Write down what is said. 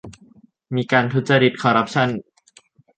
มีการทุจริต คอร์รัปชั่น